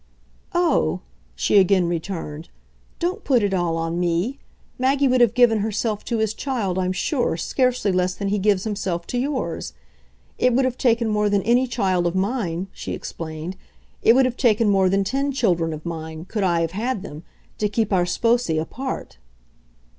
"Oh," she again returned, "don't put it all on me! Maggie would have given herself to his child, I'm sure, scarcely less than he gives himself to yours. It would have taken more than any child of mine," she explained "it would have taken more than ten children of mine, could I have had them to keep our sposi apart."